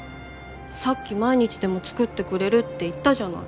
さっき毎日でも作ってくれるって言ったじゃない。